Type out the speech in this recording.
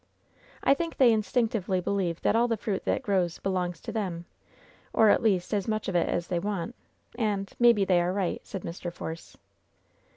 "I think they instinctively believe that all the fruit that grows belongs to them, or at least, as much of it as ever they want, and — ^maybe they are right," said Mr. Force.